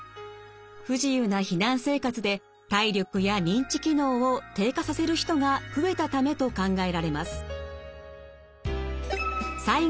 不自由な避難生活で体力や認知機能を低下させる人が増えたためと考えられます。